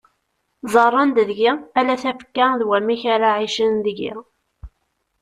Ẓẓaren-d deg-i ala tafekka d wamek ara ɛicen deg-i.